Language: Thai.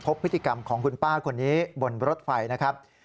พฤติกรรมของคุณป้าคนนี้บนรถไฟนะครับ